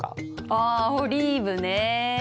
あオリーブね。